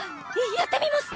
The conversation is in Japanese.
やってみます！